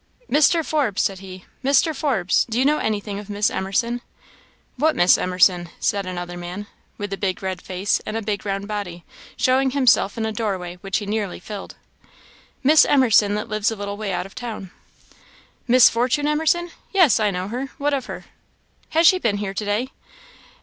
"Mr. Forbes!" said he "Mr. Forbes! do you know anything of Miss Emerson?" "What Miss Emerson?" said another man, with a big red face and a big round body, showing himself in a doorway which he nearly filled. "Miss Emerson that lives a little way out of town." "Miss Fortune Emerson? yes, I know her. What of her?" "Has she been here to day?"